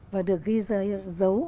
và được ghi dấu